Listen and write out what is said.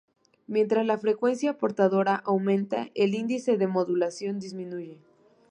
Mientras la frecuencia portadora aumenta, el índice de modulación disminuye.